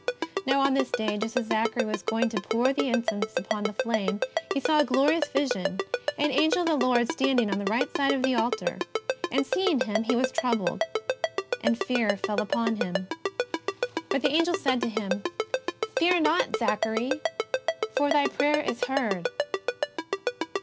Now, on this day, just as Zachary was going to pour the incense upon the flame, he saw a glorious vision — an Angel of the Lord standing on the right side of the altar. And seeing him he was troubled, amd fear fell upon him. But the Angel said to him: 43 44' JESUS OF NAZARETH. " Fear not, Zachary, for thy prayer is heard."